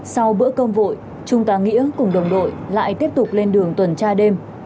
sau bữa cơm vội trung tá nghĩa cùng đồng đội lại tiếp tục lên đường tuần tra đêm